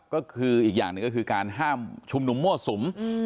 ก็คืออีกอย่างหนึ่งก็คือการห้ามชุมนุมมั่วสุม